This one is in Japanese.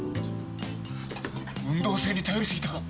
運動性に頼り過ぎたか！？